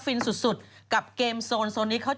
พี่ชอบแซงไหลทางอะเนาะ